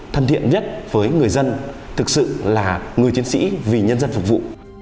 thân thiện nhất với người dân thực sự là người chiến sĩ vì nhân dân phục vụ